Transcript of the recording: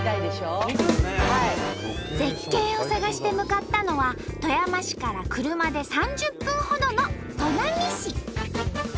絶景を探して向かったのは富山市から車で３０分ほどの砺波市。